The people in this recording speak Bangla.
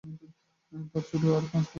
তার ছোট আরও পাঁচ ভাইবোন রয়েছে।